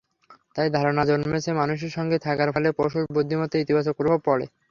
তাই ধারণা জন্মেছে, মানুষের সঙ্গে থাকার ফলে পশুর বুদ্ধিমত্তায় ইতিবাচক প্রভাব পড়ে।